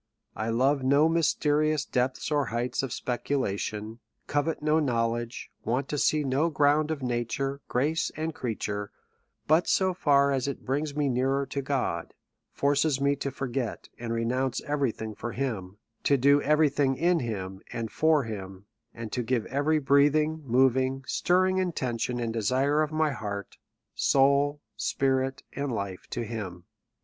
1 love no mysterious depths or heights of specula tion, covet no knowledge, want to see no ground of nature, grace, and creature; but so far as it brings me nearer to God, forces me to forget and renounce every thing for him, to do every thing in him, and for him ; and to give every breathing, moving, stirring intention and desire of my heart, soul, spirit, and life to him.